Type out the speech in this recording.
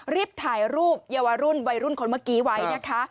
รีบถ่ายรูปเยาวรุ่นวัยรุ่นวัยรุ่นคนเมื่อกี้ไว้นะคะ